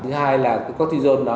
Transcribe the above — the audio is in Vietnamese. thứ hai là cortisone đó